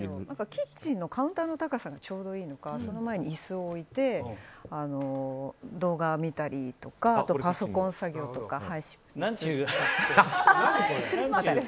キッチンのカウンターの高さがちょうどいいのかその前に椅子を置いて動画見たりとかなんていう格好で。